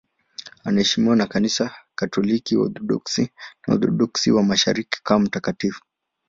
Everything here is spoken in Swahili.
Anaheshimiwa na Kanisa Katoliki, Waorthodoksi na Waorthodoksi wa Mashariki kama mtakatifu.